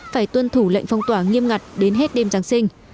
phải tuân thủ lệnh phong tỏa nghiêm ngặt đến hết đêm giáng sinh